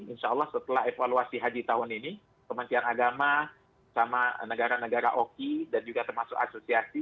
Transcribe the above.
insya allah setelah evaluasi haji tahun ini kementerian agama sama negara negara oki dan juga termasuk asosiasi